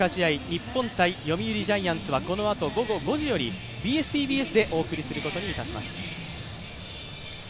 日本対読売ジャイアンツはこのあと午後５時よりＢＳ−ＴＢＳでお送りすることにいたします。